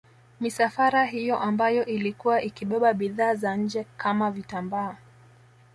Misafara hiyo ambayo ilikuwa ikibeba bidhaa za nje kama vitambaa